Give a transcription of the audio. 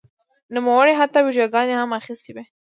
نوموړي حتی ویډیوګانې هم اخیستې وې.